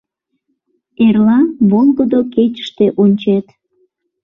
Эрла волгыдо кечыште ончет.